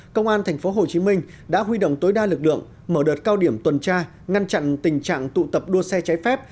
công an tp hcm đã huy động tối đa lực lượng mở đợt cao điểm tuần tra ngăn chặn tình trạng tụ tập đua xe trái phép